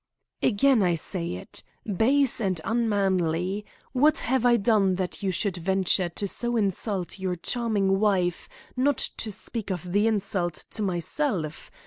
"Again I say it base and unmanly. What have I done that you should venture to so insult your charming wife, not to speak of the insult to myself?